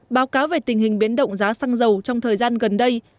báo cáo về tình hình biến động giá xăng dầu trong thời gian gần đây